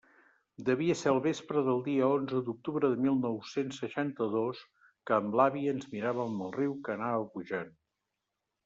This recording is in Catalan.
Devia ser el vespre del dia onze d'octubre de mil nou-cents seixanta-dos, que amb l'àvia ens miràvem el riu que anava pujant.